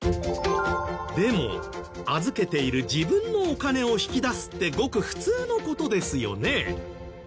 でも預けている自分のお金を引き出すってごく普通の事ですよね。